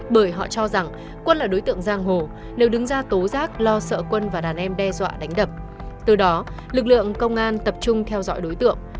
bởi họ cho rằng quân là đối tượng giang hồ đều đứng ra tố giác lo sợ quân và đàn em đe dọa đánh đập từ đó lực lượng công an tập trung theo dõi đối tượng